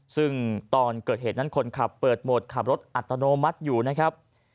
ซึ่งตอนเกิดเหตุนั้นคนขับเปิดโหมดขับรถอัตโนมัติอยู่นะครับ